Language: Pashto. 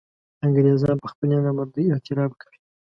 انګرېزان پر خپلې نامردۍ اعتراف کوي.